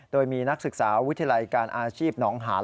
โดยมีนักศึกษาวิทยาลัยการอาชีพหนองหาน